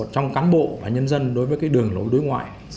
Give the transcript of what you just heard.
trong cán bộ và nhân dân đối với cái đường lối đối ngoại